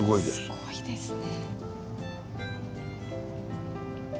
すごいですね。